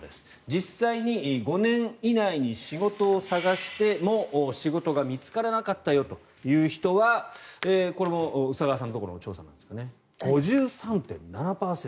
実際に５年以内に仕事を探しても仕事が見つからなかったよという人はこれも宇佐川さんのところの調査ですが５３．７％。